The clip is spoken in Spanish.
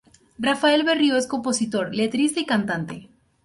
Rafael Berrio es compositor, letrista y cantante.